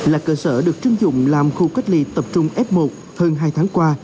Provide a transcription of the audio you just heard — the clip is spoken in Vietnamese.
là cơ sở được chứng dụng làm khu cách ly tập trung f một hơn hai tháng qua